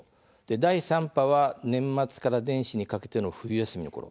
第３波は年末から年始にかけての冬休みのころ